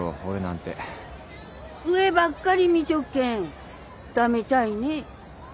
上ばっかり見ちょっけん駄目たいね。